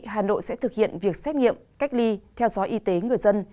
hà nội sẽ thực hiện việc xét nghiệm cách ly theo dõi y tế người dân